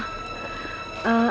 aku akan ambil uangnya